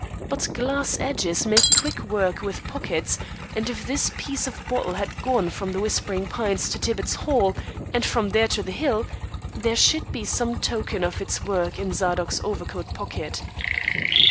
But glass edges make quick work with pockets; and if this piece of bottle had gone from The Whispering Pines to Tibbitt's Hall, and from there to the Hill, there should be some token of its work in Zadok's overcoat pocket.